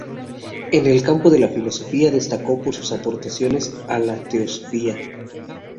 En el campo de la filosofía destacó por sus aportaciones a la teosofía.